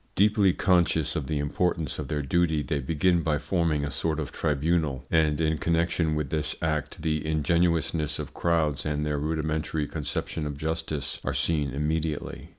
Deeply conscious of the importance of their duty, they begin by forming a sort of tribunal, and in connection with this act the ingenuousness of crowds and their rudimentary conception of justice are seen immediately.